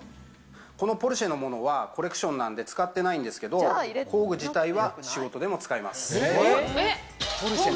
このポルシェのものはコレクションなんで使ってないんですけど、工具自体は仕事でも使います。